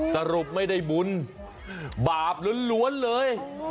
ตรวจไม่ได้บุญบาปหลวนเลย